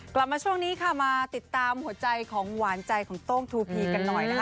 กลับมาช่วงนี้ค่ะมาติดตามหัวใจของหวานใจของโต้งทูพีกันหน่อยนะคะ